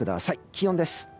気温です。